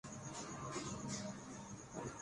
جب یہ معاملات کسی عدالت میں زیر بحث ہی نہیں تھے۔